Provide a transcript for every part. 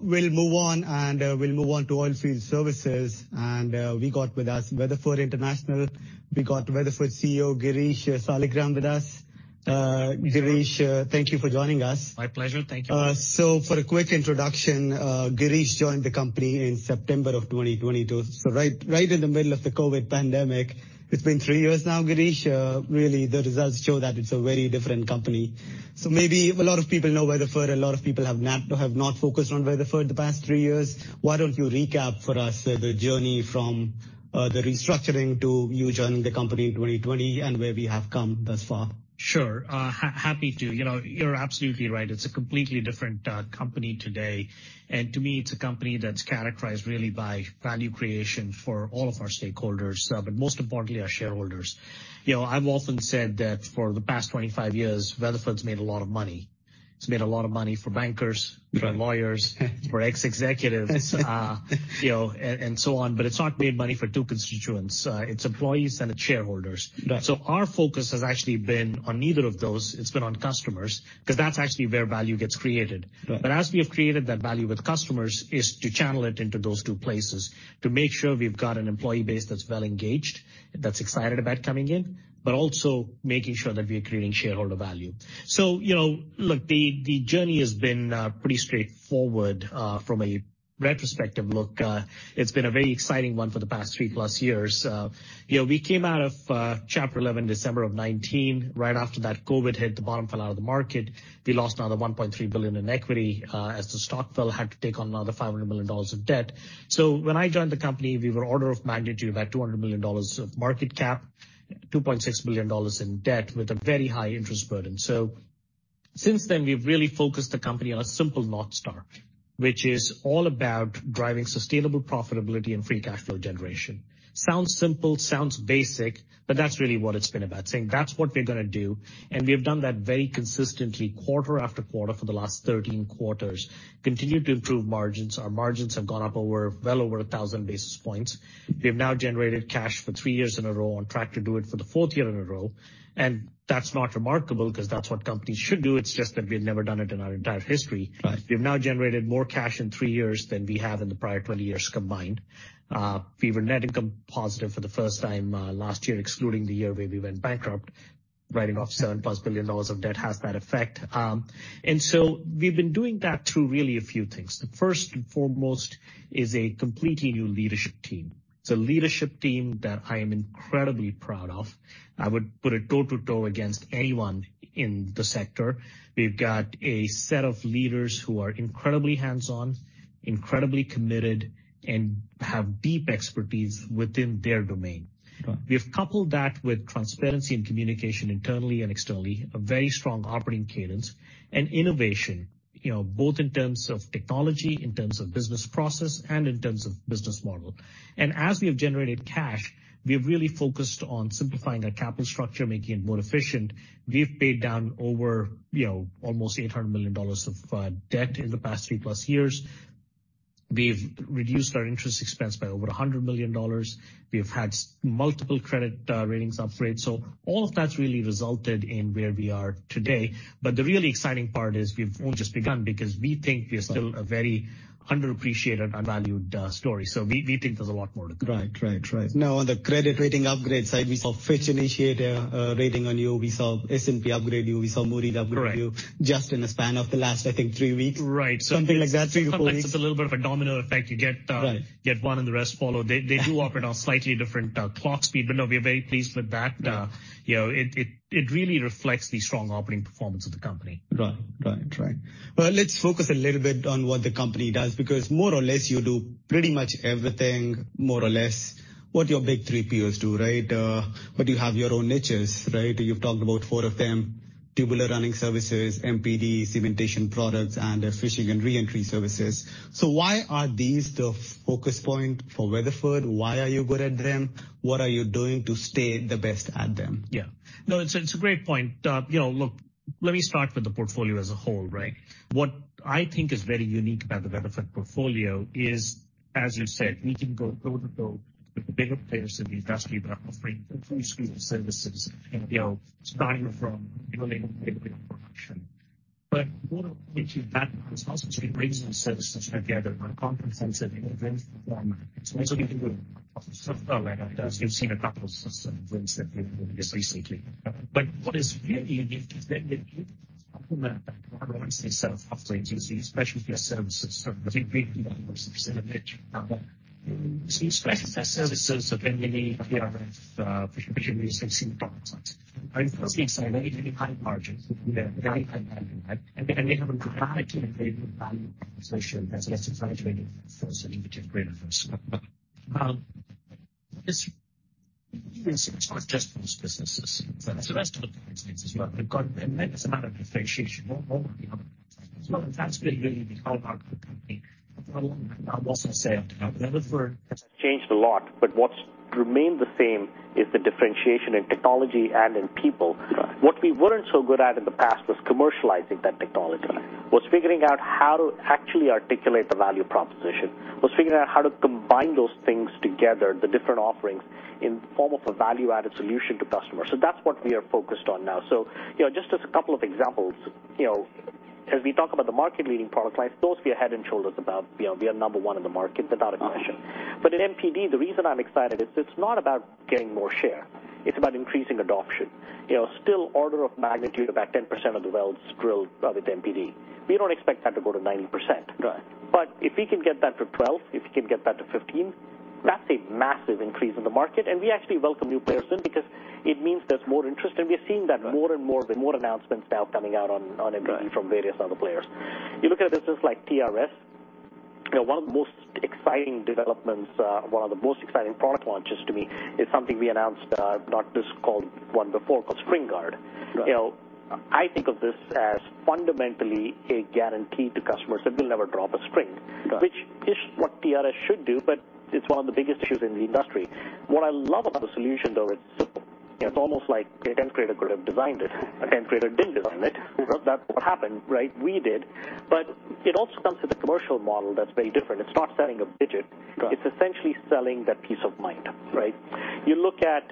We'll move on, and we'll move on to oilfield services. We got with us Weatherford International. We got Weatherford CEO, Girish Saligram, with us. Girish, thank you for joining us. My pleasure. Thank you. So for a quick introduction, Girish joined the company in September of 2022, so right, right in the middle of the COVID pandemic. It's been three years now, Girish. Really, the results show that it's a very different company. So maybe a lot of people know Weatherford, a lot of people have not focused on Weatherford the past three years. Why don't you recap for us the journey from the restructuring to you joining the company in 2020, and where we have come thus far? Sure. Happy to. You know, you're absolutely right. It's a completely different company today, and to me, it's a company that's characterized really by value creation for all of our stakeholders, but most importantly, our shareholders. You know, I've often said that for the past 25 years, Weatherford's made a lot of money. It's made a lot of money for bankers- Right. for lawyers, for ex-executives, you know, and, and so on, but it's not made money for two constituents, its employees and its shareholders. Right. Our focus has actually been on neither of those. It's been on customers, because that's actually where value gets created. Right. But as we have created that value with customers, is to channel it into those two places to make sure we've got an employee base that's well engaged, that's excited about coming in, but also making sure that we are creating shareholder value. So, you know, look, the journey has been pretty straightforward from a retrospective look. It's been a very exciting one for the past three plus years. You know, we came out of Chapter 11, December of 2019. Right after that, COVID hit, the bottom fell out of the market. We lost another $1.3 billion in equity. As the stock fell, had to take on another $500 million of debt. So when I joined the company, we were order of magnitude, about $200 million of market cap, $2.6 billion in debt with a very high interest burden. So since then, we've really focused the company on a simple North Star, which is all about driving sustainable profitability and free cash flow generation. Sounds simple, sounds basic, but that's really what it's been about, saying that's what we're gonna do, and we have done that very consistently quarter-after-quarter for the last 13 quarters. Continued to improve margins. Our margins have gone up over, well over 1,000 basis points. We've now generated cash for three years in a row, on track to do it for the fourth year in a row. And that's not remarkable, because that's what companies should do. It's just that we've never done it in our entire history. Right. We've now generated more cash in three years than we have in the prior 20 years combined. We were net income positive for the first time last year, excluding the year where we went bankrupt. Writing off $7 billion+ of debt has that effect. And so we've been doing that through really a few things. The first and foremost is a completely new leadership team. It's a leadership team that I am incredibly proud of. I would put it toe-to-toe against anyone in the sector. We've got a set of leaders who are incredibly hands-on, incredibly committed, and have deep expertise within their domain. Right. We've coupled that with transparency and communication internally and externally, a very strong operating cadence, and innovation, you know, both in terms of technology, in terms of business process, and in terms of business model. And as we have generated cash, we have really focused on simplifying our capital structure, making it more efficient. We've paid down over, you know, almost $800 million of debt in the past three-plus years. We've reduced our interest expense by over $100 million. We've had multiple credit ratings upgrades. So all of that's really resulted in where we are today. But the really exciting part is we've only just begun, because we think we are- Right... still a very underappreciated, unvalued story, so we think there's a lot more to come. Right, right, right. Now, on the credit rating upgrade side, we saw Fitch initiate a rating on you. We saw S&P upgrade you. We saw Moody's upgrade you- Correct. Just in the span of the last, I think, three weeks. Right. Something like that, 3-4 weeks. It's a little bit of a domino effect. You get, Right... get one, and the rest follow. Right. They, they do operate on a slightly different clock speed, but no, we're very pleased with that. Right. You know, it really reflects the strong operating performance of the company. Right. Right, right. Well, let's focus a little bit on what the company does, because more or less, you do pretty much everything, more or less what your big three peers do, right? But you have your own niches, right? You've talked about four of them, tubular running services, MPD, cementation products, and fishing and re-entry services. So why are these the focus point for Weatherford? Why are you good at them? What are you doing to stay the best at them? Yeah. No, it's a great point. You know, look, let me start with the portfolio as a whole, right? What I think is very unique about the Weatherford portfolio is, as you said, we can go toe-to-toe with the bigger players in the industry that are offering a full suite of services, you know, starting from drilling to production. But more importantly to that, is how we bring those services together in a comprehensive and integrated format. So we can do it. You've seen a couple of recent things that we've done just recently. But what is really unique is that we implement and run these sets of services, these specialty services, in the niche. These services are many, many fishing products. Are, as we say, very, very high margin. Yeah. Very high margin, right? And they have a dramatically greater value proposition as it relates to forcing greater risk. This, it's not just those businesses. It's the rest of the businesses as well. We've got... It's a matter of differentiation, more than the others. So that's been really the hallmark of the company for a long time. I've also said Weatherford has changed a lot, but what's remained the same is the differentiation in technology and in people. Right. What we weren't so good at in the past was commercializing that technology. Right. Was figuring out how to actually articulate the value proposition, was figuring out how to combine those things together, the different offerings, in the form of a value-added solution to customers. So that's what we are focused on now. So, you know, just as a couple of examples, you know- ... As we talk about the market-leading product lines, those we are head and shoulders above. We are number one in the market, without question. But in MPD, the reason I'm excited is it's not about getting more share, it's about increasing adoption. You know, still order of magnitude, about 10% of the wells drilled are with MPD. We don't expect that to go to 90%. Right. But if we can get that to 12, if we can get that to 15, that's a massive increase in the market. We actually welcome new players in because it means there's more interest, and we're seeing that more and more- Right. with more announcements now coming out on MPD Right from various other players. You look at a business like TRS, one of the most exciting developments, one of the most exciting product launches to me is something we announced, not this, called one before, called StringGuard. Right. You know, I think of this as fundamentally a guarantee to customers that they'll never drop a string. Got it. Which is what TRS should do, but it's one of the biggest issues in the industry. What I love about the solution, though, it's simple. Yeah. It's almost like a tenth grader could have designed it. A tenth grader didn't design it. Right. That's what happened, right? We did. But it also comes with a commercial model that's very different. It's not selling a digit. Got it. It's essentially selling that peace of mind, right? You look at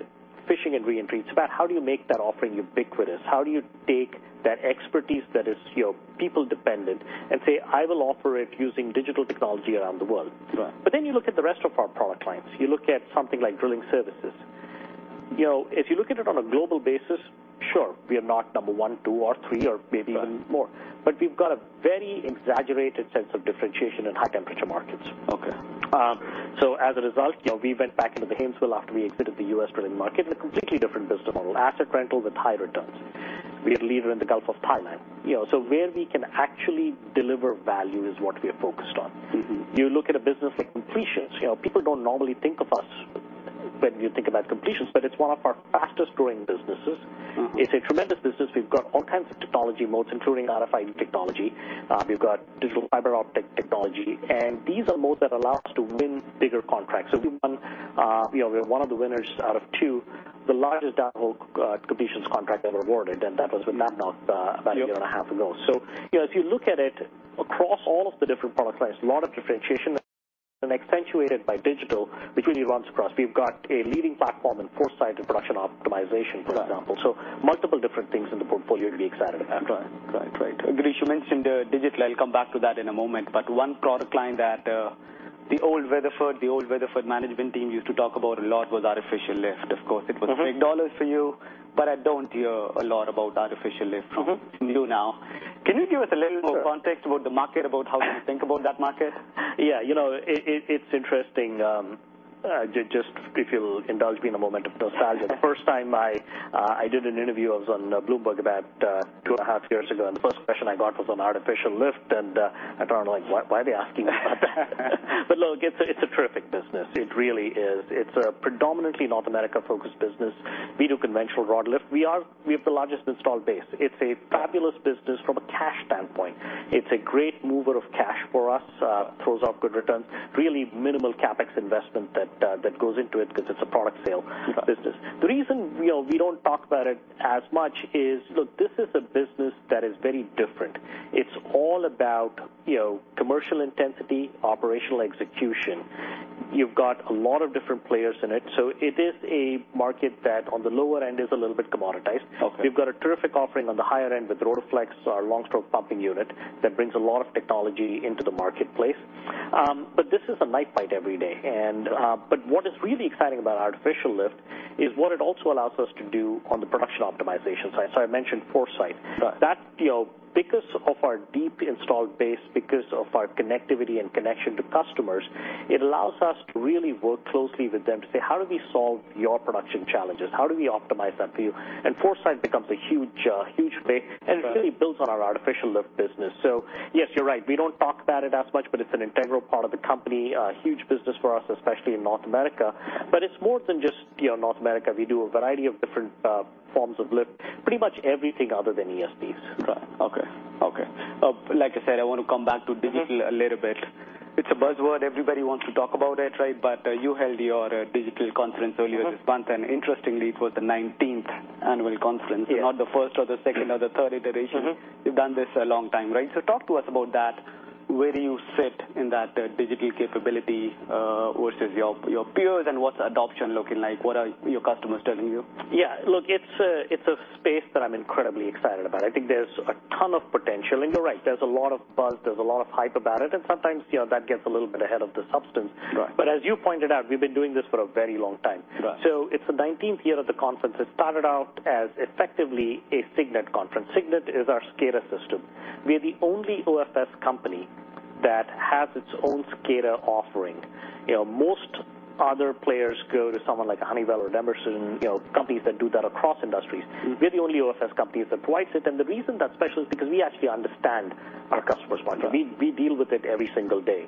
Fishing and Re-entry, it's about how do you make that offering ubiquitous? How do you take that expertise that is, you know, people dependent and say, I will offer it using digital technology around the world. Right. But then you look at the rest of our product lines. You look at something like drilling services. You know, if you look at it on a global basis, sure, we are not number one, two, or three, or maybe even more. Right. We've got a very exaggerated sense of differentiation in high-temperature markets. Okay. So as a result, you know, we went back into the Haynesville after we exited the U.S. drilling market in a completely different business model, asset rental with high returns. We are a leader in the Gulf of Thailand. You know, so where we can actually deliver value is what we are focused on. Mm-hmm. You look at a business like Completions, you know, people don't normally think of us when you think about Completions, but it's one of our fastest growing businesses. Mm-hmm. It's a tremendous business. We've got all kinds of technology modes, including RFID technology. We've got digital fiber optic technology, and these are modes that allow us to win bigger contracts. So we won, we are one of the winners out of two, the largest downhole completions contract ever awarded, and that was with ADNOC. Yeah. -about a year and a half ago. So, you know, if you look at it across all of the different product lines, a lot of differentiation and accentuated by digital, which really runs across. We've got a leading platform in ForeSite and production optimization, for example. Right. Multiple different things in the portfolio to be excited about. Right. Right, right. Girish, you mentioned digital. I'll come back to that in a moment, but one product line that the old Weatherford, the old Weatherford management team used to talk about a lot was artificial lift. Of course, it was- Mm-hmm. big dollars for you, but I don't hear a lot about artificial lift- Mm-hmm from you now. Can you give us a little more context about the market, about how you think about that market? Yeah, you know, it, it's interesting, just if you'll indulge me in a moment of nostalgia. Sure. The first time I did an interview, I was on Bloomberg about 2.5 years ago, and the first question I got was on artificial lift, and I turned around like, "Why are they asking me about that?" But look, it's a terrific business. It really is. It's a predominantly North America-focused business. We do conventional rod lift. We have the largest installed base. It's a fabulous business from a cash standpoint. It's a great mover of cash for us, throws off good returns, really minimal CapEx investment that goes into it because it's a product sale- Got it. -business. The reason, you know, we don't talk about it as much is, look, this is a business that is very different. It's all about, you know, commercial intensity, operational execution. You've got a lot of different players in it, so it is a market that on the lower end, is a little bit commoditized. Okay. We've got a terrific offering on the higher end with Rotoflex, our long-stroke pumping unit, that brings a lot of technology into the marketplace. But this is a knife fight every day. And, but what is really exciting about artificial lift is what it also allows us to do on the production optimization side. So I mentioned ForeSite. Right. That, you know, because of our deep installed base, because of our connectivity and connection to customers, it allows us to really work closely with them to say: How do we solve your production challenges? How do we optimize that for you? And ForeSite becomes a huge, huge play- Right. And it really builds on our Artificial Lift business. So yes, you're right, we don't talk about it as much, but it's an integral part of the company, a huge business for us, especially in North America. But it's more than just, you know, North America. We do a variety of different forms of lift, pretty much everything other than ESPs. Right. Okay. Okay, like I said, I want to come back to digital- Mm-hmm. -a little bit. It's a buzzword. Everybody wants to talk about it, right? But, you held your digital conference earlier this month- Mm-hmm. And interestingly, it was the 19th annual conference. Yeah. Not the first or the second or the third iteration. Mm-hmm. You've done this a long time, right? So talk to us about that, where you sit in that, digital capability, versus your peers, and what's adoption looking like? What are your customers telling you? Yeah, look, it's a, it's a space that I'm incredibly excited about. I think there's a ton of potential, and you're right, there's a lot of buzz, there's a lot of hype about it, and sometimes, you know, that gets a little bit ahead of the substance. Right. But as you pointed out, we've been doing this for a very long time. Right. So it's the nineteenth year of the conference. It started out as effectively a CygNet conference. CygNet is our SCADA system. We are the only OFS company that has its own SCADA offering. You know, most other players go to someone like Honeywell or Emerson, you know, companies that do that across industries. Mm-hmm. We're the only OFS company that provides it, and the reason that's special is because we actually understand our customers' market. Right. We, we deal with it every single day.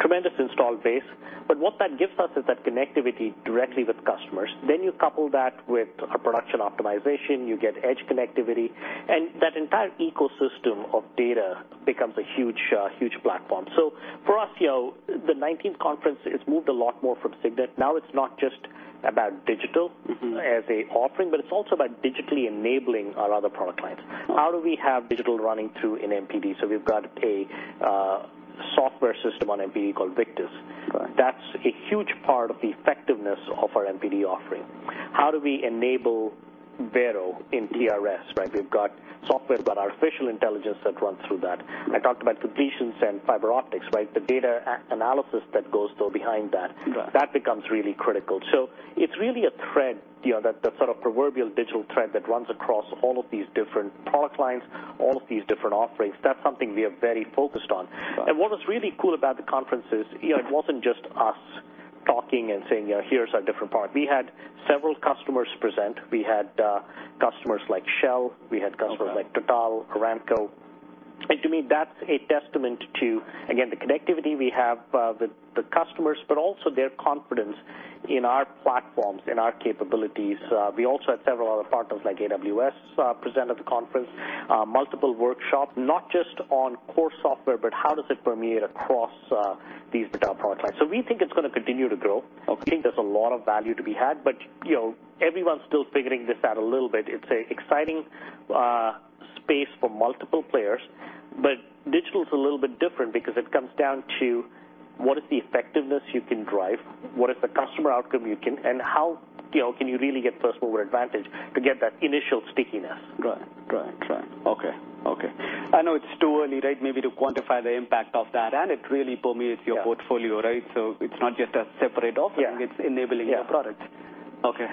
Tremendous installed base, but what that gives us is that connectivity directly with customers. Then you couple that with our production optimization, you get edge connectivity, and that entire ecosystem of data becomes a huge, huge platform. So for us, you know, the nineteenth conference, it's moved a lot more from CygNet. Now, it's not just about digital- Mm-hmm. as an offering, but it's also about digitally enabling our other product lines. Mm-hmm. How do we have digital running through in MPD? So we've got a software system on MPD called Victus.... a huge part of the effectiveness of our MPD offering. How do we enable Vero in TRS, right? We've got software, we've got artificial intelligence that runs through that. I talked about completions and fiber optics, right? The data analysis that goes, though, behind that, that becomes really critical. So it's really a thread, you know, that, the sort of proverbial digital thread that runs across all of these different product lines, all of these different offerings. That's something we are very focused on. Right. What was really cool about the conference is, you know, it wasn't just us talking and saying, "Here's our different part." We had several customers present. We had customers like Shell, we had customers like- Okay. Total, Aramco. And to me, that's a testament to, again, the connectivity we have, with the customers, but also their confidence in our platforms, in our capabilities. We also had several other partners, like AWS, present at the conference, multiple workshops, not just on core software, but how does it permeate across, these product lines. So we think it's gonna continue to grow. Okay. We think there's a lot of value to be had, but, you know, everyone's still figuring this out a little bit. It's an exciting space for multiple players, but digital is a little bit different because it comes down to what is the effectiveness you can drive, what is the customer outcome you can, and how, you know, can you really get first mover advantage to get that initial stickiness? Right. Right. Right. Okay. Okay. I know it's too early, right, maybe to quantify the impact of that, and it really permeates your portfolio, right? Yeah. It's not just a separate offering- Yeah. It's enabling your products. Yeah. Okay.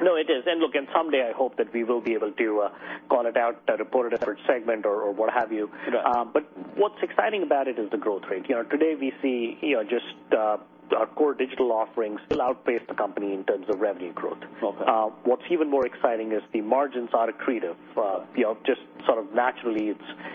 No, it is. And look, and someday, I hope that we will be able to call it out, report it as a segment or, or what have you. Right. But what's exciting about it is the growth rate. You know, today we see, you know, just, our core digital offerings still outpace the company in terms of revenue growth. Okay. What's even more exciting is the margins are accretive. You know, just sort of naturally,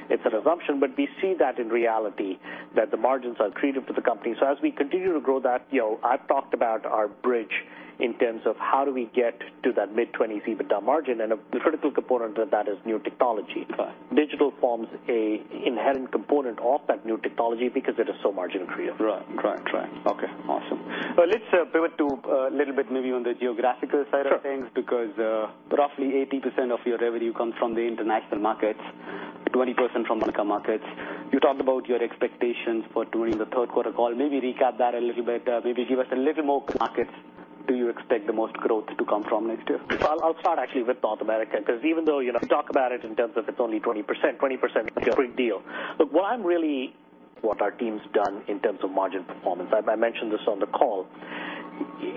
it's an assumption, but we see that in reality, that the margins are accretive to the company. So as we continue to grow that, you know, I've talked about our bridge in terms of how do we get to that mid-20s EBITDA margin, and a critical component of that is new technology. Right. Digital forms an inherent component of that new technology because it is so margin accretive. Right. Right, right. Okay, awesome. Well, let's pivot to a little bit maybe on the geographical side of things- Sure. because, roughly 80% of your revenue comes from the international markets, 20% from other markets. You talked about your expectations for during the Third Quarter Call. Maybe recap that a little bit. Maybe give us a little more markets do you expect the most growth to come from next year? Well, I'll start actually with North America, because even though, you know, we talk about it in terms of it's only 20%, 20% is a big deal. But what I'm really... What our team's done in terms of margin performance, I, I mentioned this on the call.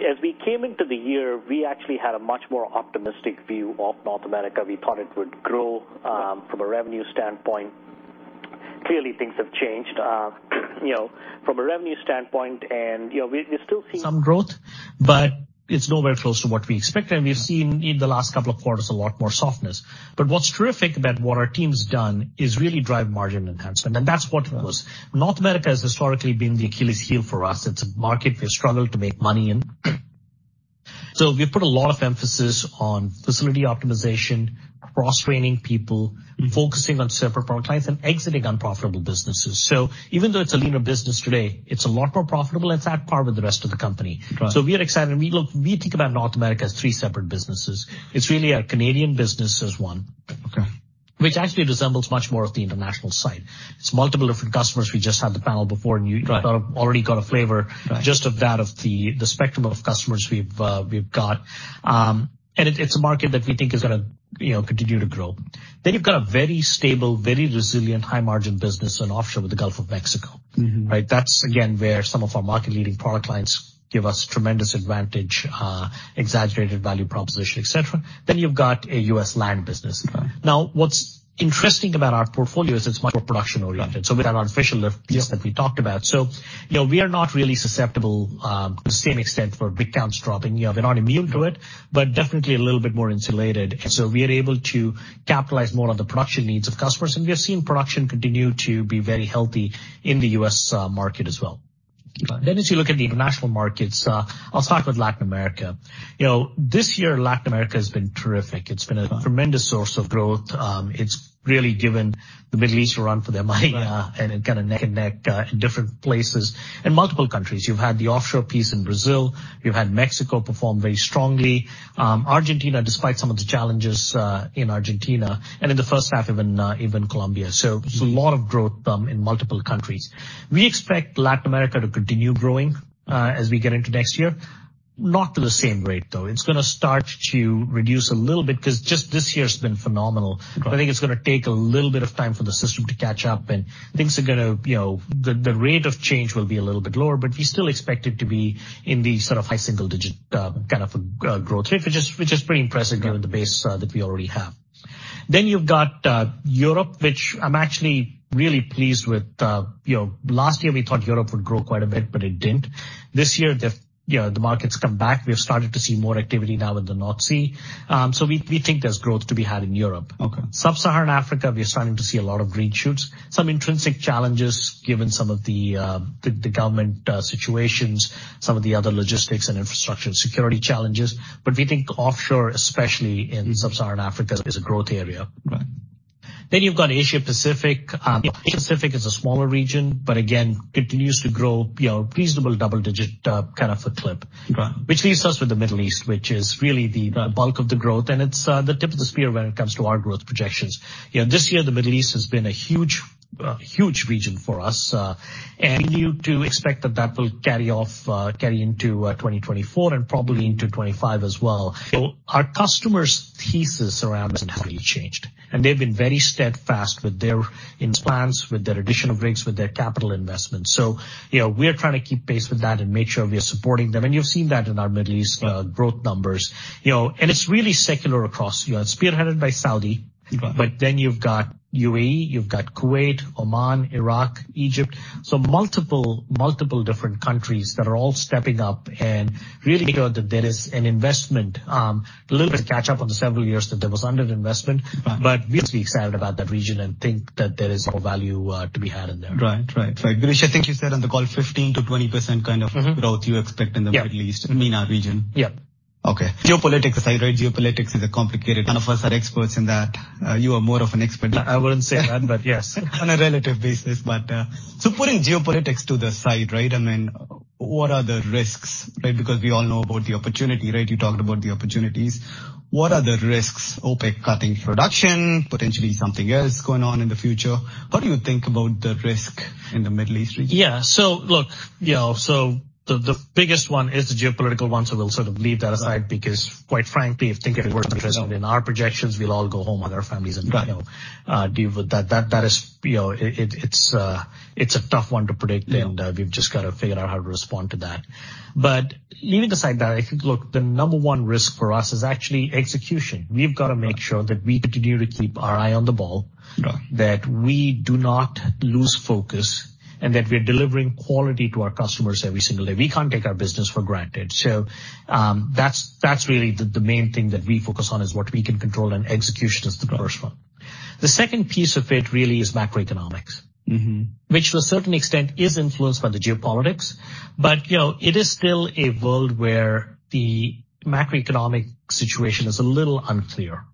As we came into the year, we actually had a much more optimistic view of North America. We thought it would grow from a revenue standpoint. Clearly, things have changed, you know, from a revenue standpoint, and, you know, we, we still see some growth, but it's nowhere close to what we expected, and we've seen in the last couple of quarters, a lot more softness. But what's terrific about what our team's done is really drive margin enhancement, and that's what it was. North America has historically been the Achilles heel for us. It's a market we've struggled to make money in. So we put a lot of emphasis on facility optimization, cross-training people, focusing on several product lines, and exiting unprofitable businesses. So even though it's a linear business today, it's a lot more profitable, it's at par with the rest of the company. Right. We are excited. We look-- we think about North America as three separate businesses. It's really a Canadian business as one. Okay. Which actually resembles much more of the international side. It's multiple different customers. We just had the panel before, and you- Right. already got a flavor Right... just of that, of the spectrum of customers we've got. And it's a market that we think is gonna, you know, continue to grow. Then you've got a very stable, very resilient, high-margin business in offshore with the Gulf of Mexico. Mm-hmm. Right? That's again, where some of our market-leading product lines give us tremendous advantage, exaggerated value proposition, et cetera. Then you've got a U.S. land business. Right. Now, what's interesting about our portfolio is it's much more production-oriented, so with our artificial lift piece that we talked about. Yeah. So, you know, we are not really susceptible to the same extent for rig counts dropping. You know, we're not immune to it, but definitely a little bit more insulated. So we are able to capitalize more on the production needs of customers, and we are seeing production continue to be very healthy in the U.S. market as well. Right. Then, as you look at the international markets, I'll start with Latin America. You know, this year, Latin America has been terrific. Uh-huh. It's been a tremendous source of growth. It's really given the Middle East a run for their money. Right... and kind of neck and neck in different places. In multiple countries, you've had the offshore piece in Brazil, you've had Mexico perform very strongly, Argentina, despite some of the challenges in Argentina, and in the first half, even even Colombia. Mm-hmm. So a lot of growth in multiple countries. We expect Latin America to continue growing as we get into next year. Not to the same rate, though. It's gonna start to reduce a little bit because just this year's been phenomenal. Right. I think it's gonna take a little bit of time for the system to catch up, and things are gonna... You know, the rate of change will be a little bit lower, but we still expect it to be in the sort of high single-digit, kind of, growth rate, which is pretty impressive- Right Given the base that we already have. Then you've got Europe, which I'm actually really pleased with. You know, last year, we thought Europe would grow quite a bit, but it didn't. This year, you know, the market's come back. We've started to see more activity now in the North Sea, so we think there's growth to be had in Europe. Okay. Sub-Saharan Africa, we're starting to see a lot of green shoots. Some intrinsic challenges, given some of the the government situations, some of the other logistics and infrastructure and security challenges, but we think offshore, especially in Sub-Saharan Africa, is a growth area. Right. Then you've got Asia-Pacific. Asia-Pacific is a smaller region, but again, continues to grow, you know, reasonable double-digit kind of a clip. Right. Which leaves us with the Middle East, which is really the bulk of the growth, and it's the tip of the spear when it comes to our growth projections. You know, this year, the Middle East has been a huge region for us, and we need to expect that that will carry off, carry into 2024 and probably into 2025 as well. So our customers' thesis around hasn't really changed, and they've been very steadfast with their plans, with their additional rigs, with their capital investments. So, you know, we are trying to keep pace with that and make sure we are supporting them, and you've seen that in our Middle East growth numbers. You know, and it's really secular across. It's spearheaded by Saudi, but then you've got UAE, you've got Kuwait, Oman, Iraq, Egypt. So multiple, multiple different countries that are all stepping up and really know that there is an investment, a little bit to catch up on the several years that there was underinvestment. Right. But we're actually excited about that region and think that there is more value to be had in there. Right. Right. So, Girish, I think you said on the call 15%-20% kind of- Mm-hmm. growth you expect in the Middle East Yeah. -MENA region. Yeah. Okay. Geopolitics aside, right? Geopolitics is a complicated... None of us are experts in that. You are more of an expert. I wouldn't say that, but yes. On a relative basis. But, so putting geopolitics to the side, right, I mean, what are the risks, right? Because we all know about the opportunity, right? You talked about the opportunities. What are the risks, OPEC cutting production, potentially something else going on in the future. What do you think about the risk in the Middle East region? Yeah. So look, you know, the biggest one is the geopolitical one, so we'll sort of leave that aside because quite frankly, if think it worth addressing in our projections, we'll all go home with our families and- Right. -you know, deal with that. That is, you know, it's a tough one to predict- Yeah. and, we've just got to figure out how to respond to that. But leaving aside that, I think, look, the number one risk for us is actually execution. We've got to make sure that we continue to keep our eye on the ball- Right. -that we do not lose focus, and that we are delivering quality to our customers every single day. We can't take our business for granted. So, that's really the main thing that we focus on, is what we can control, and execution is the first one. The second piece of it really is macroeconomics. Mm-hmm. Which to a certain extent is influenced by the geopolitics, but, you know, it is still a world where the macroeconomic situation is a little unclear,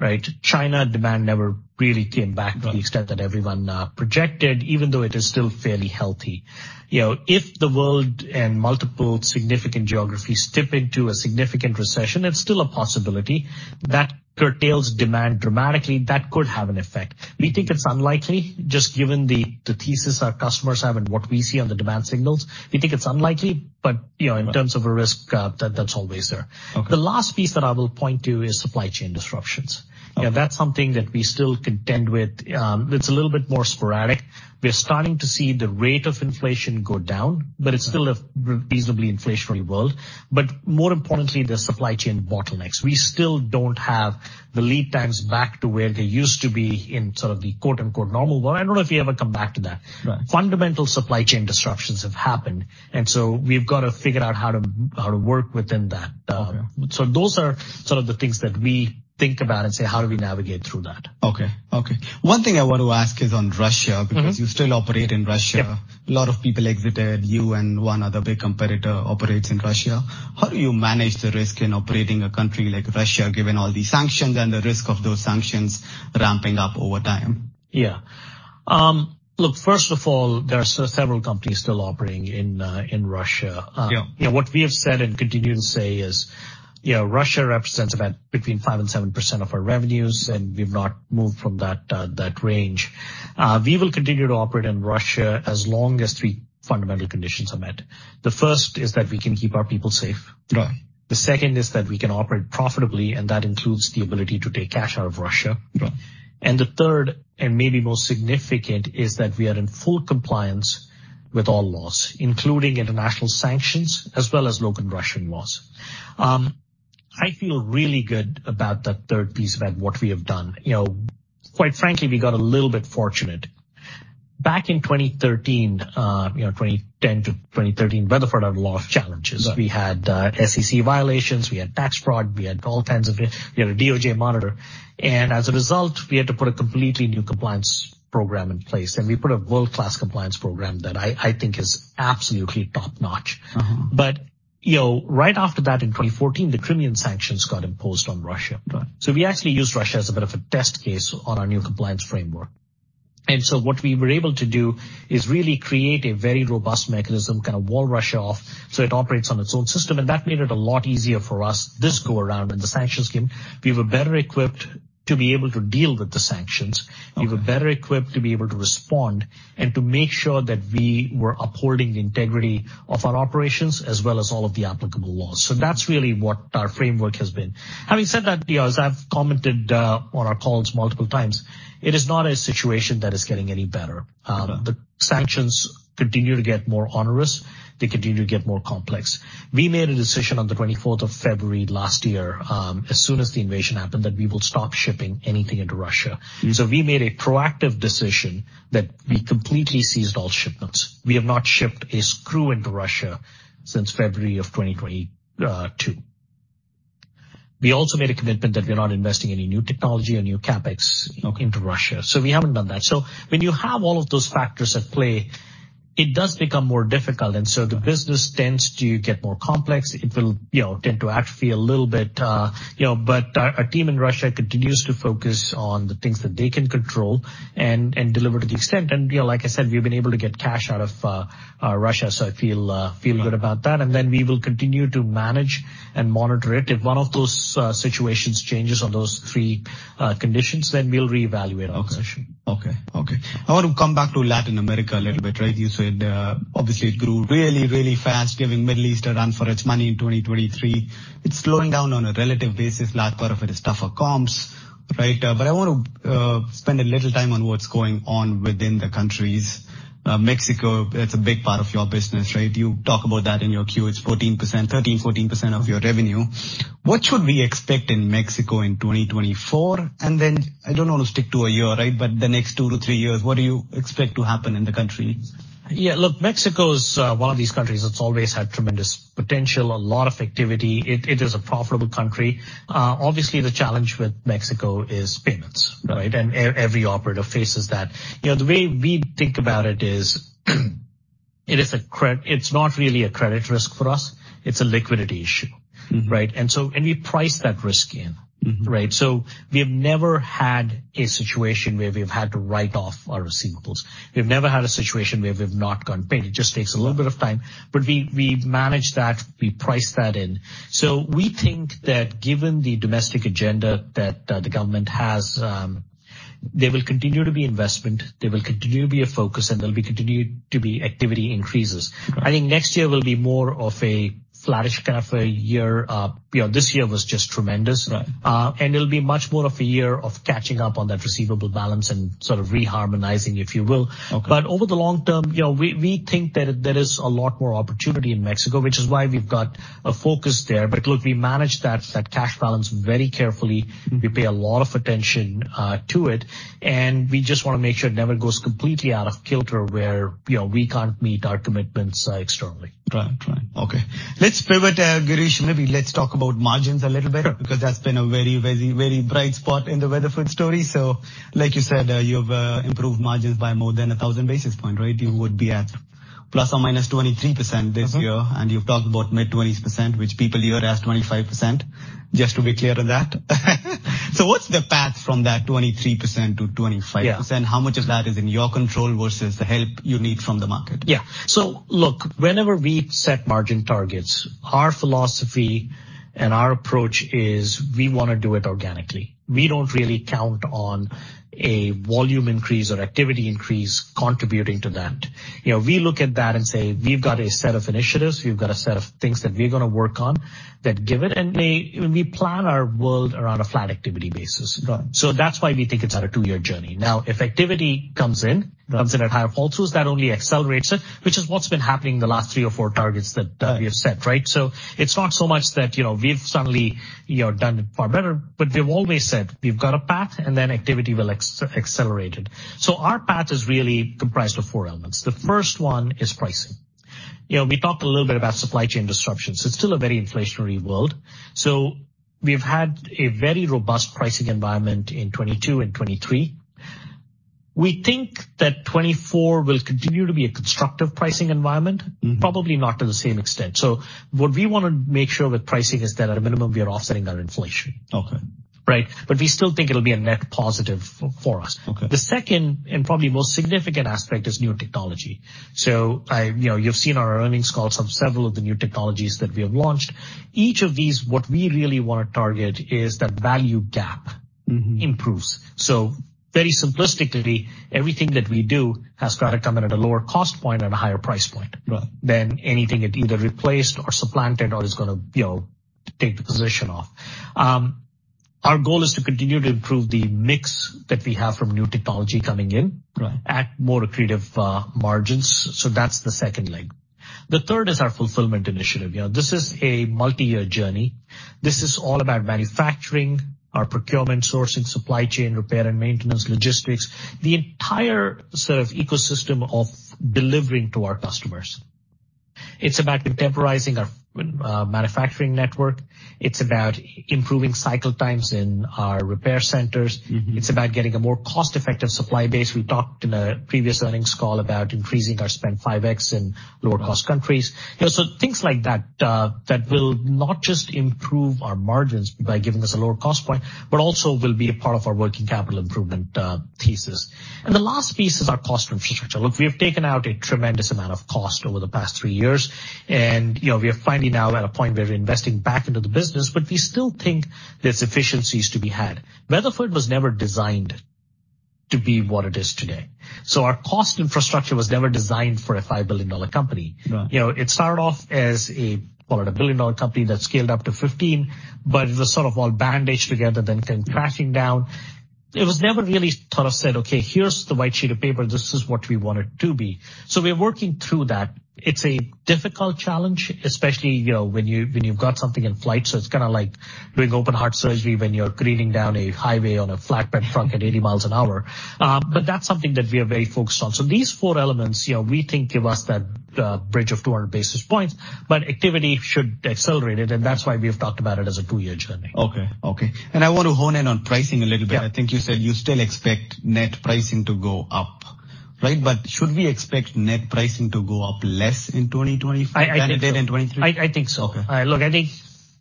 right? China demand never really came back to the extent that everyone projected, even though it is still fairly healthy. You know, if the world and multiple significant geographies tip into a significant recession, it's still a possibility, that curtails demand dramatically, that could have an effect. We think it's unlikely, just given the thesis our customers have and what we see on the demand signals. We think it's unlikely, but, you know, in terms of a risk, that's always there. Okay. The last piece that I will point to is supply chain disruptions. Okay. You know, that's something that we still contend with. It's a little bit more sporadic. We are starting to see the rate of inflation go down, but it's still a reasonably inflationary world. But more importantly, the supply chain bottlenecks. We still don't have the lead times back to where they used to be in sort of the, quote, unquote, "normal world." I don't know if we ever come back to that. Right. Fundamental supply chain disruptions have happened, and so we've got to figure out how to, how to work within that. Okay. Those are sort of the things that we think about and say: How do we navigate through that? Okay. Okay. One thing I want to ask is on Russia- Mm-hmm. because you still operate in Russia. Yeah. A lot of people exited. You and one other big competitor operates in Russia. How do you manage the risk in operating a country like Russia, given all the sanctions and the risk of those sanctions ramping up over time? Yeah. Look, first of all, there are several companies still operating in Russia. Yeah. You know, what we have said and continue to say is, you know, Russia represents about between 5% and 7% of our revenues, and we've not moved from that range. We will continue to operate in Russia as long as three fundamental conditions are met. The first is that we can keep our people safe. Right. The second is that we can operate profitably, and that includes the ability to take cash out of Russia. Right. The third, and maybe most significant, is that we are in full compliance with all laws, including international sanctions as well as local Russian laws. I feel really good about that third piece, about what we have done. You know, quite frankly, we got a little bit fortunate. Back in 2013, you know, 2010 to 2013, Weatherford had a lot of challenges. Right. We had SEC violations, we had tax fraud, we had all kinds of... We had a DOJ monitor, and as a result, we had to put a completely new compliance program in place, and we put a world-class compliance program that I, I think is absolutely top-notch. Mm-hmm. But, you know, right after that, in 2014, the Crimean sanctions got imposed on Russia. Right. We actually used Russia as a bit of a test case on our new compliance framework. What we were able to do is really create a very robust mechanism, kind of, wall Russia off, so it operates on its own system, and that made it a lot easier for us. This go-around in the sanctions scheme, we were better equipped to be able to deal with the sanctions. Okay. We were better equipped to be able to respond and to make sure that we were upholding the integrity of our operations as well as all of the applicable laws. So that's really what our framework has been. Having said that, you know, as I've commented, on our calls multiple times, it is not a situation that is getting any better. Okay. The sanctions continue to get more onerous. They continue to get more complex. We made a decision on the 24th of February last year, as soon as the invasion happened, that we will stop shipping anything into Russia. Mm. So we made a proactive decision that we completely seized all shipments. We have not shipped a screw into Russia since February of 2022. We also made a commitment that we're not investing any new technology or new CapEx into Russia, so we haven't done that. So when you have all of those factors at play. It does become more difficult, and so the business tends to get more complex. It will, you know, tend to atrophy a little bit, you know, but our, our team in Russia continues to focus on the things that they can control and, and deliver to the extent. And, you know, like I said, we've been able to get cash out of Russia, so I feel, feel good about that. And then we will continue to manage and monitor it. If one of those situations changes on those three conditions, then we'll reevaluate our position. Okay. Okay. I want to come back to Latin America a little bit, right? You said, obviously it grew really, really fast, giving Middle East a run for its money in 2023. It's slowing down on a relative basis, large part of it is tougher comps, right? But I want to spend a little time on what's going on within the countries. Mexico, that's a big part of your business, right? You talk about that in your queue. It's 14%, 13%-14% of your revenue. What should we expect in Mexico in 2024? And then I don't want to stick to a year, right, but the next two to three years, what do you expect to happen in the country? Yeah, look, Mexico is one of these countries that's always had tremendous potential, a lot of activity. It, it is a profitable country. Obviously, the challenge with Mexico is payments, right? And every operator faces that. You know, the way we think about it is, it is, it's not really a credit risk for us, it's a liquidity issue. Mm-hmm. Right? And so, we price that risk in. Mm-hmm. Right? So we have never had a situation where we've had to write off our receivables. We've never had a situation where we've not gotten paid. It just takes a little bit of time, but we, we manage that, we price that in. So we think that given the domestic agenda that the government has, there will continue to be investment, there will continue to be a focus, and there will be continued to be activity increases. I think next year will be more of a flattish kind of a year. You know, this year was just tremendous. Right. It'll be much more of a year of catching up on that receivable balance and sort of reharmonizing, if you will. Okay. But over the long term, you know, we think that there is a lot more opportunity in Mexico, which is why we've got a focus there. But look, we manage that cash balance very carefully. Mm-hmm. We pay a lot of attention to it, and we just wanna make sure it never goes completely out of kilter where, you know, we can't meet our commitments externally. Right. Right. Okay. Let's pivot, Girish. Maybe let's talk about margins a little bit. Sure. Because that's been a very, very, very bright spot in the Weatherford story. So like you said, you've improved margins by more than 1,000 basis points, right? You would be at ±23% this year, and you've talked about mid 20%, which people hear as 25%, just to be clear on that. So what's the path from that 23% to 25%? Yeah. How much of that is in your control versus the help you need from the market? Yeah. So look, whenever we set margin targets, our philosophy and our approach is we wanna do it organically. We don't really count on a volume increase or activity increase contributing to that. You know, we look at that and say, "We've got a set of initiatives. We've got a set of things that we're gonna work on, that given..." And we plan our world around a flat activity basis. Got it. So that's why we think it's on a two-year journey. Now, if activity comes in, comes in at higher pulses, that only accelerates it, which is what's been happening the last 3 or 4 targets that we have set, right? So it's not so much that, you know, we've suddenly, you know, done far better, but we've always said, "We've got a path, and then activity will accelerate it." So our path is really comprised of four elements. The first one is pricing. You know, we talked a little bit about supply chain disruptions. It's still a very inflationary world, so we've had a very robust pricing environment in 2022 and 2023. We think that 2024 will continue to be a constructive pricing environment. Mm-hmm. Probably not to the same extent. What we want to make sure with pricing is that at a minimum, we are offsetting our inflation. Okay. Right? But we still think it'll be a net positive for us. Okay. The second and probably most significant aspect is new technology. So I, you know, you've seen our earnings calls on several of the new technologies that we have launched. Each of these, what we really want to target is that value gap- Mm-hmm. improves. So very simplistically, everything that we do has got to come in at a lower cost point and a higher price point. Right -than anything it either replaced or supplanted or is gonna, you know, take the position of. Our goal is to continue to improve the mix that we have from new technology coming in- Right -at more accretive margins. So that's the second leg. The third is our fulfillment initiative. You know, this is a multi-year journey. This is all about manufacturing, our procurement sourcing, supply chain, repair and maintenance, logistics, the entire sort of ecosystem of delivering to our customers. It's about rationalizing our manufacturing network. It's about improving cycle times in our repair centers. Mm-hmm. It's about getting a more cost-effective supply base. We talked in a previous earnings call about increasing our spend 5x in lower cost countries. You know, so things like that, that will not just improve our margins by giving us a lower cost point, but also will be a part of our working capital improvement, thesis. The last piece is our cost infrastructure. Look, we have taken out a tremendous amount of cost over the past three years, and, you know, we are finally now at a point where we're investing back into the business, but we still think there's efficiencies to be had. Weatherford was never designed to be what it is today, so our cost infrastructure was never designed for a $5 billion company. Right. You know, it started off as a, call it a billion-dollar company that scaled up to 15, but it was sort of all bandaged together, then came crashing down. It was never really sort of said, "Okay, here's the white sheet of paper. This is what we want it to be." So we're working through that. It's a difficult challenge, especially, you know, when you, when you've got something in flight. So it's kind of like doing open heart surgery when you're careening down a highway on a flatbed truck at 80 miles an hour. But that's something that we are very focused on. So these four elements, you know, we think give us that bridge of 200 basis points, but activity should accelerate it, and that's why we have talked about it as a two year journey. Okay. Okay. I want to hone in on pricing a little bit. Yeah. I think you said you still expect net pricing to go up?... Right, but should we expect net pricing to go up less in 2025 than it did in 2023? I think so. Okay. Look, I think,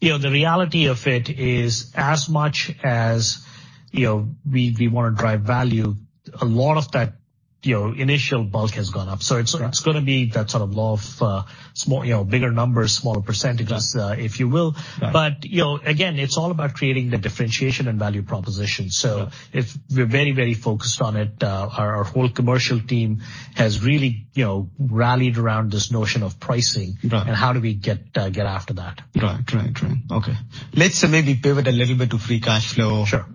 you know, the reality of it is, as much as, you know, we wanna drive value, a lot of that, you know, initial bulk has gone up. Right. So it's gonna be that sort of law of small, you know, bigger numbers, smaller percentages- Got it. If you will. Got it. You know, again, it's all about creating the differentiation and value proposition. Yeah. So if we're very, very focused on it, our whole commercial team has really, you know, rallied around this notion of pricing- Right. And how do we get after that? Right. Right, right. Okay. Let's maybe pivot a little bit to free cash flow. Sure.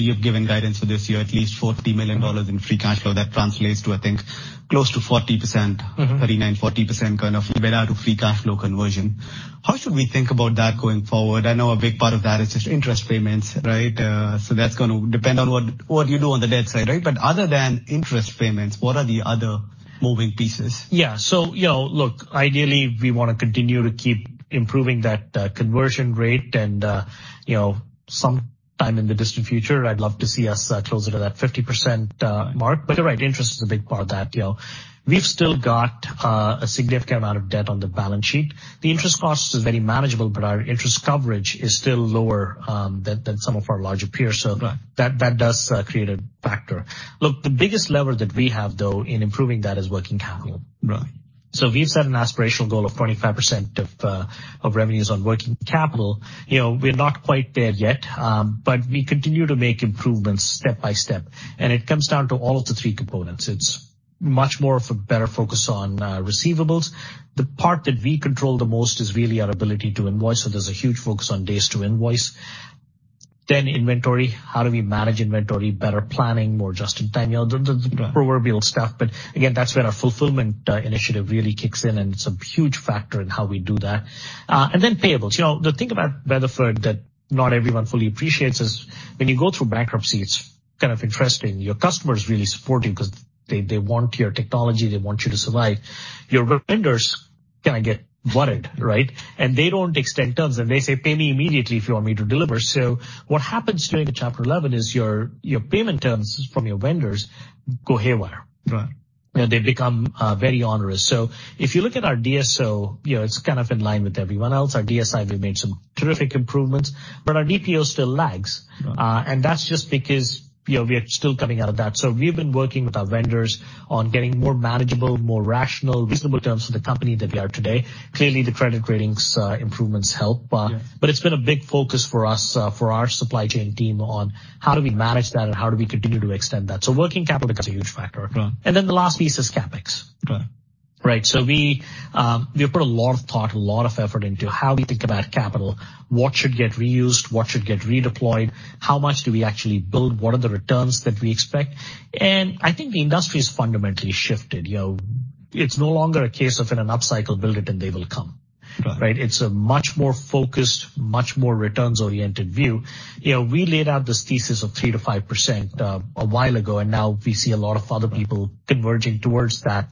You've given guidance for this year, at least $40 million in free cash flow. That translates to, I think, close to 40%. Mm-hmm. 39%-40% kind of EBITDA to free cash flow conversion. How should we think about that going forward? I know a big part of that is just interest payments, right? So that's gonna depend on what you do on the debt side, right? But other than interest payments, what are the other moving pieces? Yeah. So, you know, look, ideally, we wanna continue to keep improving that conversion rate and, you know, sometime in the distant future, I'd love to see us closer to that 50% mark. But you're right, interest is a big part of that. You know, we've still got a significant amount of debt on the balance sheet. The interest cost is very manageable, but our interest coverage is still lower than some of our larger peers. Right. So that, that does create a factor. Look, the biggest lever that we have, though, in improving that is working capital. Right. So we've set an aspirational goal of 25% of revenues on working capital. You know, we're not quite there yet, but we continue to make improvements step by step, and it comes down to all of the three components. It's much more of a better focus on receivables. The part that we control the most is really our ability to invoice, so there's a huge focus on days to invoice. Then inventory, how do we manage inventory? Better planning, more just in time. You know, Right. proverbial stuff, but again, that's where our fulfillment initiative really kicks in, and it's a huge factor in how we do that. And then payables. You know, the thing about Weatherford that not everyone fully appreciates is when you go through bankruptcy, it's kind of interesting. Your customers really support you because they want your technology, they want you to survive. Your vendors kind of get worried, right? And they don't extend terms, and they say, "Pay me immediately if you want me to deliver." So what happens during the Chapter 11 is your payment terms from your vendors go haywire. Right. They become very onerous. So if you look at our DSO, you know, it's kind of in line with everyone else. Our DSI, we've made some terrific improvements, but our DPO still lags. Right. And that's just because, you know, we are still coming out of that. So we've been working with our vendors on getting more manageable, more rational, reasonable terms for the company than we are today. Clearly, the credit ratings improvements help- Yeah. But it's been a big focus for us, for our supply chain team on how do we manage that and how do we continue to extend that. So working capital is a huge factor. Right. The last piece is CapEx. Right. Right. So we have put a lot of thought, a lot of effort into how we think about capital, what should get reused, what should get redeployed, how much do we actually build, what are the returns that we expect? And I think the industry has fundamentally shifted. You know, it's no longer a case of in an upcycle, build it and they will come. Right. Right? It's a much more focused, much more returns-oriented view. You know, we laid out this thesis of 3%-5% a while ago, and now we see a lot of other people converging towards that.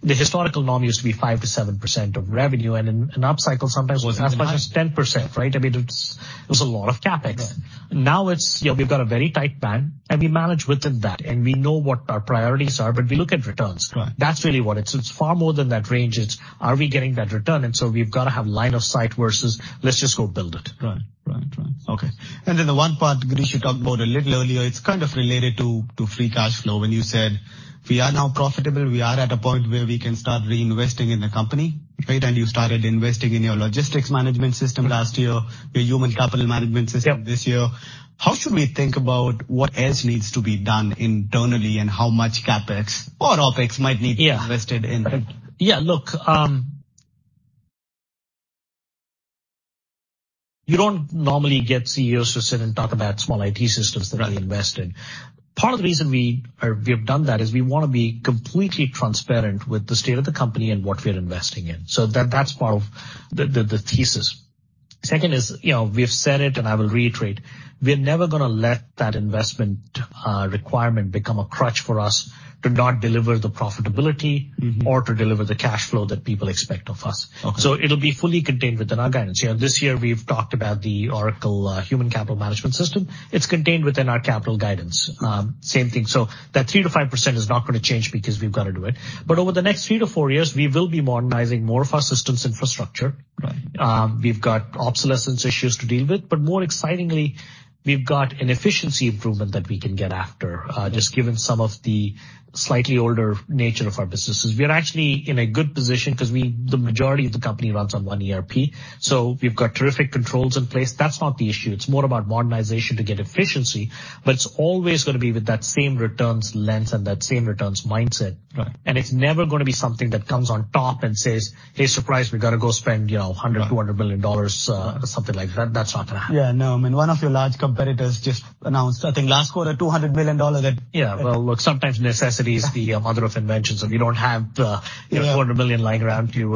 The historical norm used to be 5%-7% of revenue, and in an upcycle, sometimes it was as much as 10%, right? I mean, it's, it was a lot of CapEx. Right. Now it's... You know, we've got a very tight band, and we manage within that, and we know what our priorities are, but we look at returns. Right. That's really what it is. It's far more than that range. It's are we getting that return? And so we've got to have line of sight versus let's just go build it. Right. Right, right. Okay. And then the one part, Girish, you talked about a little earlier, it's kind of related to, to free cash flow when you said we are now profitable, we are at a point where we can start reinvesting in the company, right? And you started investing in your logistics management system last year, your human capital management system- Yep. this year. How should we think about what else needs to be done internally and how much CapEx or OpEx might need to be invested in? Yeah. Look, you don't normally get CEOs to sit and talk about small IT systems that we invest in. Right. Part of the reason we are we have done that is we wanna be completely transparent with the state of the company and what we're investing in. So that, that's part of the thesis. Second is, you know, we've said it, and I will reiterate, we're never gonna let that investment requirement become a crutch for us to not deliver the profitability- Mm-hmm. or to deliver the cash flow that people expect of us. Okay. So it'll be fully contained within our guidance. You know, this year we've talked about the Oracle Human Capital Management system. It's contained within our capital guidance. Same thing. So that 3%-5% is not gonna change because we've got to do it, but over the next three to four years, we will be modernizing more of our systems infrastructure. Right. We've got obsolescence issues to deal with, but more excitingly, we've got an efficiency improvement that we can get after, just given some of the slightly older nature of our businesses. We're actually in a good position 'cause we, the majority of the company runs on one ERP, so we've got terrific controls in place. That's not the issue. It's more about modernization to get efficiency, but it's always gonna be with that same returns lens and that same returns mindset. Right. It's never gonna be something that comes on top and says, "Hey, surprise, we've got to go spend, you know, $100 million-$200 million," something like that. That's not gonna happen. Yeah, no, I mean, one of your large competitors just announced, I think, last quarter, $200 million at- Yeah. Well, look, sometimes necessity is the mother of invention, so we don't have, you know, $400 million lying around to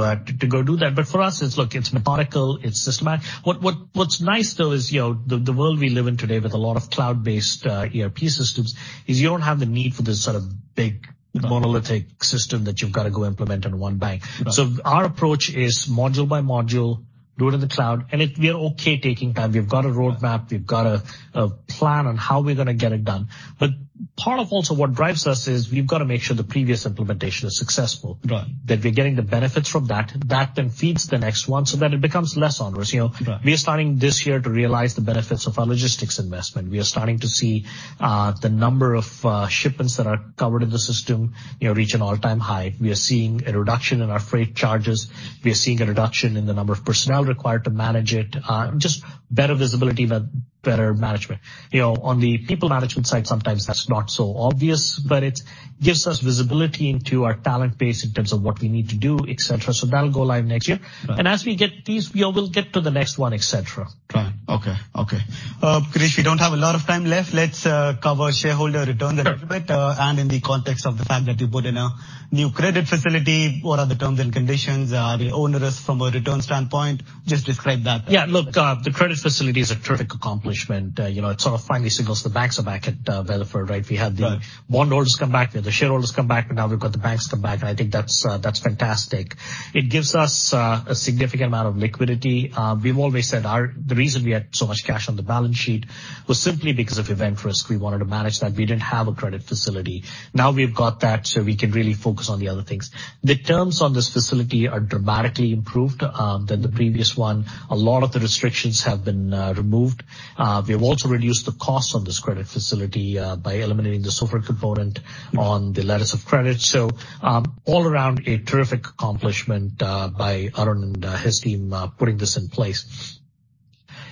go do that. But for us, it's... Look, it's methodical, it's systematic. What's nice, though, is, you know, the world we live in today with a lot of cloud-based ERP systems, is you don't have the need for this sort of big, monolithic system that you've got to go implement on one bang. Right. So our approach is module by module... do it in the cloud, and it. We are okay taking time. We've got a roadmap, we've got a plan on how we're gonna get it done. But part of also what drives us is we've got to make sure the previous implementation is successful. Right. That we're getting the benefits from that. That then feeds the next one, so then it becomes less onerous. You know- Right. We are starting this year to realize the benefits of our logistics investment. We are starting to see, the number of, shipments that are covered in the system, you know, reach an all-time high. We are seeing a reduction in our freight charges. We are seeing a reduction in the number of personnel required to manage it, just better visibility, but better management. You know, on the people management side, sometimes that's not so obvious, but it gives us visibility into our talent base in terms of what we need to do, et cetera. So that'll go live next year. Right. As we get these, we will get to the next one, et cetera. Right. Okay. Okay. Uh, Girish, we don't have a lot of time left. Let's cover shareholder return a little bit. Sure. In the context of the fact that you put in a new credit facility, what are the terms and conditions? Are they onerous from a return standpoint? Just describe that. Yeah. Look, the credit facility is a terrific accomplishment. You know, it sort of finally signals the banks are back at Weatherford, right? Right. We had the bondholders come back, the shareholders come back, but now we've got the banks come back, and I think that's fantastic. It gives us a significant amount of liquidity. We've always said our... The reason we had so much cash on the balance sheet was simply because of event risk. We wanted to manage that. We didn't have a credit facility. Now we've got that, so we can really focus on the other things. The terms on this facility are dramatically improved than the previous one. A lot of the restrictions have been removed. We have also reduced the cost on this credit facility by eliminating the sovereign component on the letters of credit. So, all around, a terrific accomplishment by Arun and his team putting this in place.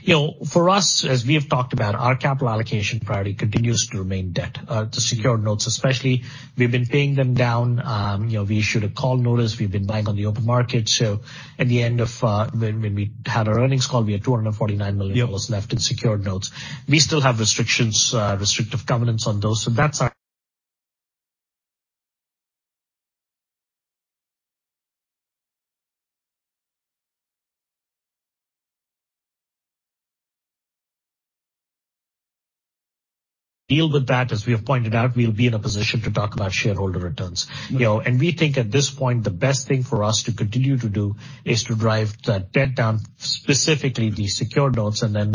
You know, for us, as we have talked about, our capital allocation priority continues to remain debt, the secured notes especially. We've been paying them down. You know, we issued a call notice. We've been buying on the open market. So at the end of, when we had our earnings call, we had $249 million. Yeah Left in secured notes. We still have restrictions, restrictive covenants on those, so that's our... deal with that, as we have pointed out, we'll be in a position to talk about shareholder returns. Yeah. You know, and we think at this point, the best thing for us to continue to do is to drive that debt down, specifically the secured notes, and then.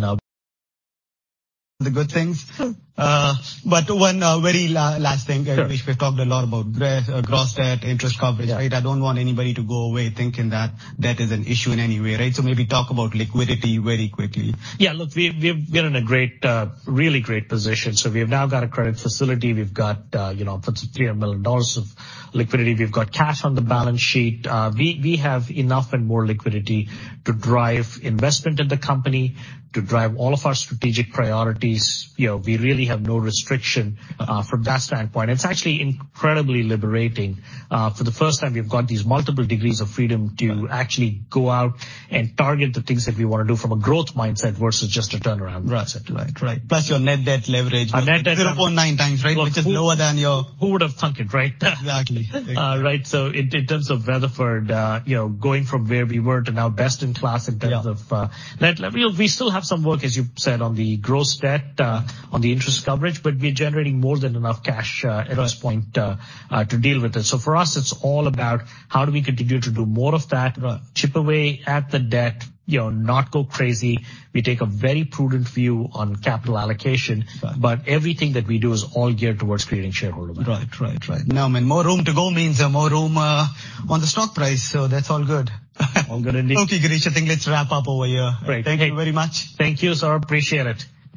The good things. Sure. But one very last thing. Sure. We've talked a lot about the gross debt, interest coverage, right? Yeah. I don't want anybody to go away thinking that that is an issue in any way, right? So maybe talk about liquidity very quickly. Yeah. Look, we've we're in a great, really great position. So we've now got a credit facility. We've got, you know, $300 million of liquidity. We've got cash on the balance sheet. We have enough and more liquidity to drive investment in the company, to drive all of our strategic priorities. You know, we really have no restriction from that standpoint. It's actually incredibly liberating. For the first time, we've got these multiple degrees of freedom to- Right Actually go out and target the things that we want to do from a growth mindset versus just a turnaround mindset. Right. Right. Plus, your net debt leverage- Our net debt... 0.9x, right? Which is lower than your- Who would have thunk it, right? Exactly. Right. So in terms of Weatherford, you know, going from where we were to now best in class in terms of- Yeah Net leverage, we still have some work, as you've said, on the gross debt, on the interest coverage, but we are generating more than enough cash. Right... at this point, to deal with this. So for us, it's all about how do we continue to do more of that? Right. Chip away at the debt, you know, not go crazy. We take a very prudent view on capital allocation. Right. But everything that we do is all geared towards creating shareholder value. Right. Right. Right. Now, more room to go means more room on the stock price, so that's all good. All good indeed. Okay, Girish, I think let's wrap up over here. Great. Thank you very much. Thank you, Saurabh. Appreciate it.